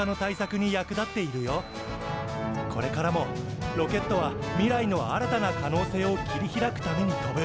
これからもロケットは未来の新たな可能性を切り開くために飛ぶ。